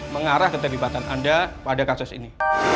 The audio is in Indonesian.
mengarah keterlibatan anda pada kasus ini